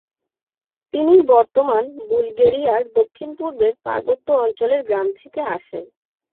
তিনি বর্তমান বুলগেরিয়ার দক্ষিণপূর্বের পার্বত্য অঞ্চলের গ্রাম থেকে আসেন।